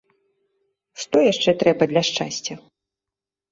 Што яшчэ трэба для шчасця?